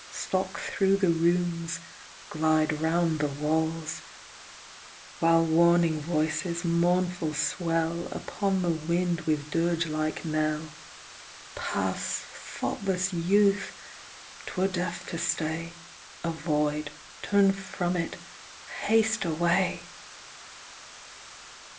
Stalk through the rooms, glide round the walls ; While warning voices mournful swell Upon the wind with dirge like knell : Pass, thoughtless youth ! 'twere death to stay, Avoid, turn from it, haste away